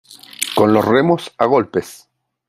con los remos a golpes .